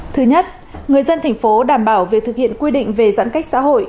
thứ nhất người dân tp hcm đảm bảo việc thực hiện quy định về giãn cách xã hội